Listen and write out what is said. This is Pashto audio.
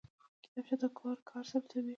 کتابچه د کور کار ثبتوي